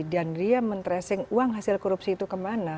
dan dia mentresing uang hasil korupsi itu kemana